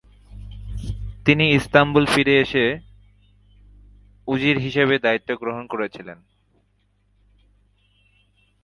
তিনি ইস্তাম্বুল ফিরে এসে উজির হিসাবে তাঁর দায়িত্ব গ্রহণ করেছিলেন।